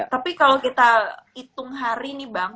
tapi kalau kita hitung hari ini bang